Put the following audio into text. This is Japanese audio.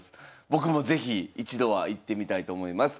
僕も是非一度は行ってみたいと思います。